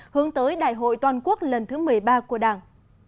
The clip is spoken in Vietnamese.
hướng tới đại hội toàn quốc lần thứ một mươi ba của đảng